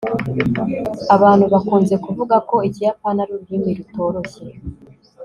Abantu bakunze kuvuga ko Ikiyapani ari ururimi rutoroshye